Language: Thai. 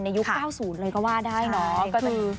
ยุค๙๐เลยก็ว่าได้เนาะ